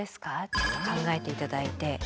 ちょっと考えて頂いて。